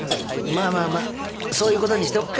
まあまあまあそういうことにしておくか。